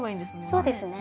そうですね。